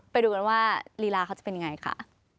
ไปดูกันว่าลีลาเขาจะเป็นยังไงค่ะ